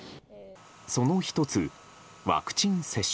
その１つ、ワクチン接種。